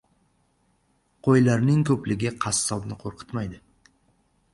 • Qo‘ylarning ko‘pligi qassobni qo‘rqitmaydi.